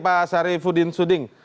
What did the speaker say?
pak sarifudin suding